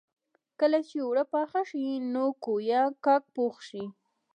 کله چې اوړه پاخه شي نو ګويا کاک پوخ شي.